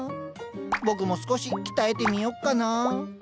僕も少し鍛えてみよっかな。